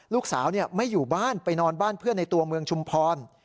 ลูกสาวไม่อยู่บ้านไปนอนบ้านเพื่อนในตัวเมืองชุมพร